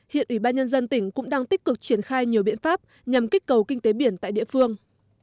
hiện ủy ban nhân dân tỉnh cũng đang tích cực triển khai nhiều biện pháp nhằm kích cầu kinh tế biển tại địa phương